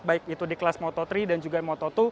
baik itu di kelas moto tiga dan juga moto dua